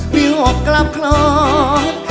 พี่หกกลับคลอบ